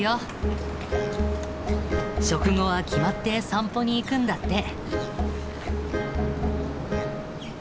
食後は決まって散歩に行くんだって。